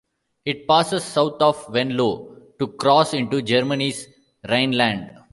It passes south of Venlo to cross into Germany's Rhineland.